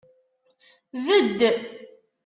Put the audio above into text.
Bedd!